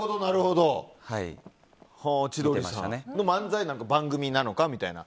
漫才なのか、番組なのかみたいな。